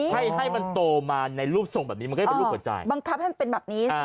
ให้ให้มันโตมาในรูปทรงแบบนี้มันก็จะเป็นรูปหัวใจบังคับให้มันเป็นแบบนี้